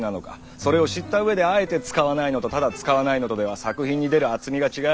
それを知ったうえであえて使わないのとただ使わないのとでは作品に出る「厚み」が違う。